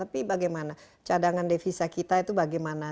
tapi bagaimana cadangan devisa kita itu bagaimana